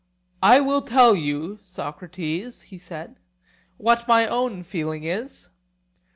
I will tell you, Socrates, he said, what my own feeling is.